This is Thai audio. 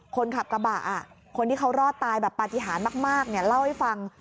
คนขับกระบะคนที่เขารอดตายแบบปฏิหารมากเล่าให้ฟัง